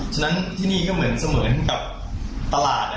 ฉะนั้นที่นี่ก็เหมือนเสมือนกับตลาด